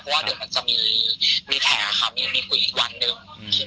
เขาว่าเดี๋ยวมันจะมีแท้อย่างนี้กลัวหนึ่ง